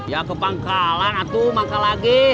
ya ke pangkalan aku manggal lagi